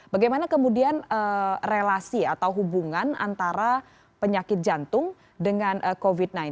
bagaimana kemudian relasi atau hubungan antara penyakit jantung dengan covid sembilan belas